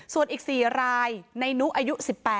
ส่วนอีก๔รายในนุอายุ๑๘